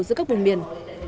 giữa các vùng biển